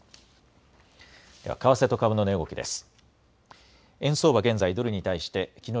為替と株の値動きです。